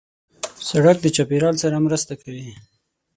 سړک د چاپېریال سره مرسته کوي.